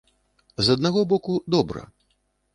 З аднаго боку, добра.